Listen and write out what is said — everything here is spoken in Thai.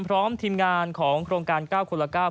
พร้อมทีมงานของโครงการ๙คนละ๙